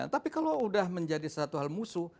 tapi kalau sudah menjadi satu hal musuh